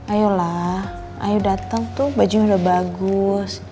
ayolah ayo datang tuh bajunya udah bagus